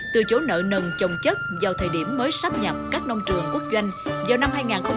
từ chỗ nợ nần trồng chất vào thời điểm mới sắp nhập các nông trường quốc doanh vào năm hai nghìn hai mươi